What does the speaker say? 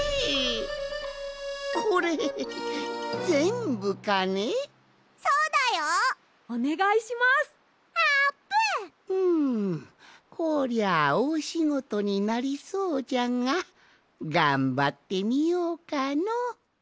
んこりゃおおしごとになりそうじゃががんばってみようかの！